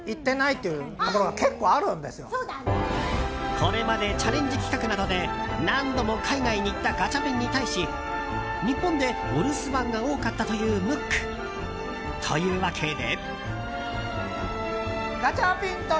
これまでチャレンジ企画などで何度も海外に行ったガチャピンに対し日本でお留守番が多かったというムック。というわけで。